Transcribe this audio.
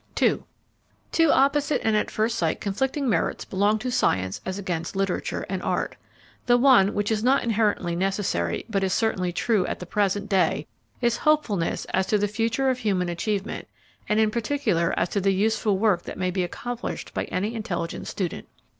II Two opposite and at first sight conflicting merits belong to science as against literature and art. The one, which is not inherently necessary, but is certainly true at the present day, is hopefulness as to the future of human achievement, and in particular as to the useful work that may be accomplished by any intelligent student.